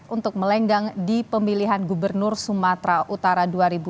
untuk melenggang di pemilihan gubernur sumatera utara dua ribu dua puluh